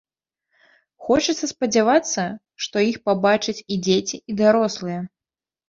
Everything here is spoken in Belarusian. Хочацца спадзявацца, што іх пабачаць і дзеці і дарослыя.